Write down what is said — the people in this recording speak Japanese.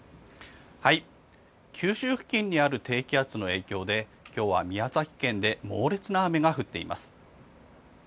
九州付近にある低気圧の影響で今日は宮崎県で猛烈な雨が降っています。